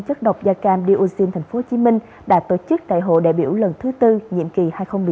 chất độc da cam dioxin tp hcm đã tổ chức đại hội đại biểu lần thứ tư nhiệm kỳ hai nghìn một mươi chín hai nghìn hai mươi bốn